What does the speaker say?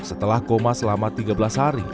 setelah koma selama tiga belas hari